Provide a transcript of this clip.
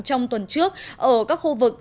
trong tuần trước ở các khu vực